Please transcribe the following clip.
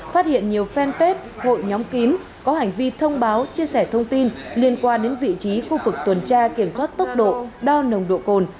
phát hiện nhiều fanpage hội nhóm kín có hành vi thông báo chia sẻ thông tin liên quan đến vị trí khu vực tuần tra kiểm soát tốc độ đo nồng độ cồn